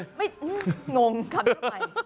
ไม่งงขำทำไม